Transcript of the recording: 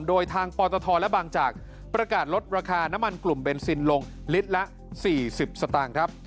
โดยทางปตทและบางจากประกาศลดราคาน้ำมันกลุ่มเบนซินลงลิตรละ๔๐สตางค์ครับ